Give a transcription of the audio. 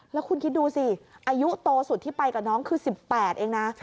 แล้วคุณคิดดูสิอายุโตสุดที่ไปกับน้องคือ๑๘เองนะ